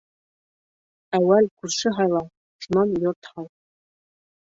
Әүәл күрше һайла, шунан йорт һал.